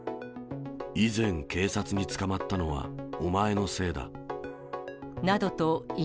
以前、警察に捕まったのはお前のせいだ。